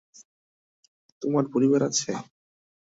তোমার পরিবার আছে?